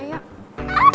ah tinggi ya lan